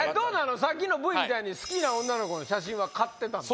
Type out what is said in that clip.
さっきのブイみたいに、好きな女の子の写真は買ってました？